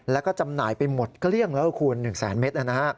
แล้วก็จำหน่ายไปหมดก็เลี่ยงแล้วคูณ๑๐๐๐๐๐เมตร